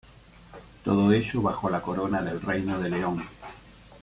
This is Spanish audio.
Todo ello bajo la corona del Reino de León.